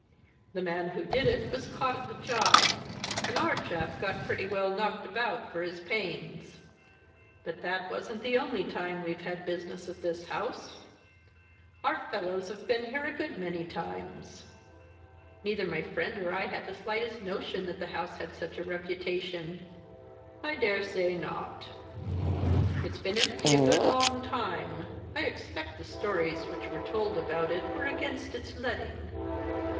The man who did it was caught at the job and our chap got pretty well knocked about for his pains. But that wasn't the only time we've had business at this house; our fellows have been here a good many times." "Neither my friend or I had the slightest notion that the house had such a reputation." "I daresay not. It's been empty a good long time. I expect the stories which were told about it were against its letting."